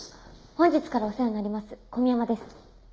本日からお世話になります古宮山です。